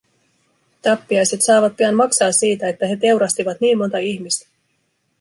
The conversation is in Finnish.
Tappiaiset saavat pian maksaa siitä, että he teurastivat niin monta ihmistä.